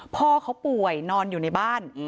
พ่อเขาป่วยนอนอยู่ในบ้าน